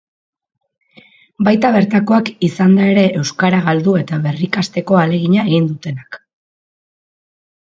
Baita bertakoak izanda ere euskara galdu eta berrikasteko ahalegina egin dutenak.